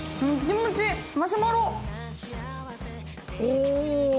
お！